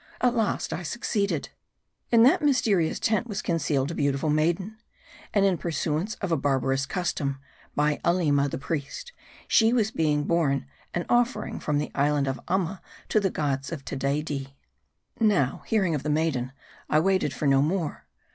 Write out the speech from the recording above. At last I succeeded. In that mysterious tent was concealed a beautiful maiden. And, in pursuance of a barbarous custom, by Aleema, the priest, she was being borne an offering from the island of Amma to the gods of Tedaidee. Now, hearing of the maiden, I waited for no more.